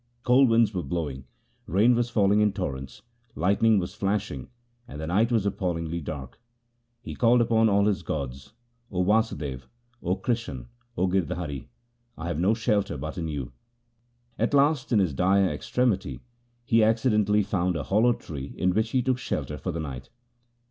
Cold winds were blowing, rain was falling in torrents, light ning was flashing, and the night was appallingly dark. He called upon all his gods, ' O Wasdev, O Krishan, O Girdhari, I have no shelter but in you.' At last in his dire extremity he accidentally found a hollow tree in which he took shelter for the night.